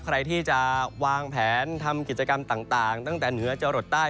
ใครที่จะวางแผนทำกิจกรรมต่างตั้งแต่เหนือจรดใต้